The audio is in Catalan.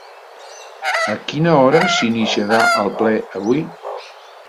A quina hora s'iniciarà el ple avui?